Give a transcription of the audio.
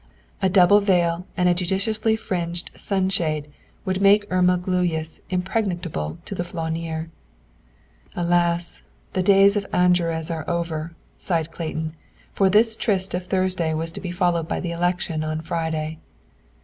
A double veil and a judiciously fringed sunshade would make Irma Gluyas impregnable to the flaneur. "Alas! The days of Aranjuez are over," sighed Clayton, for this tryst of Thursday was to be followed by the election on Friday.